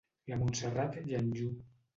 La Montserrat i en Llu